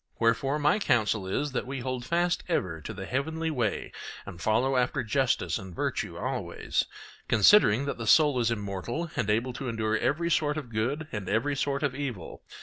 Wherefore my counsel is, that we hold fast ever to the heavenly way and follow after justice and virtue always, considering that the soul is immortal and able to endure every sort of good and every sort of evil.